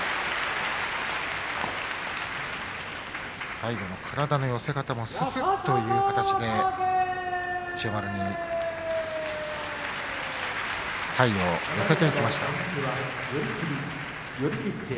最後の体の寄せ方もすすっという感じで千代丸に体を寄せていきました。